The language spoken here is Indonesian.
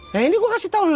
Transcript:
ya ini gua kasih tau lu